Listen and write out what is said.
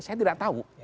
saya tidak tahu